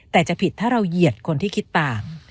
แต่จะผิดถ้าเราเหยียดคนที่คิดปาก